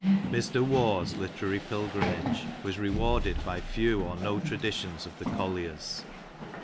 Mr Waugh's literary pilgrimage was rewarded by few or no traditions of the Colliers.